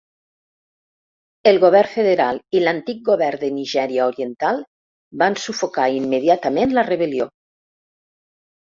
El govern federal i l'antic govern de Nigèria Oriental van sufocar immediatament la rebel·lió.